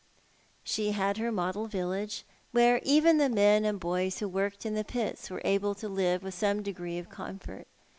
She had her model village, where even the men and boys who worked in the pits were able to live with some degree of comfort.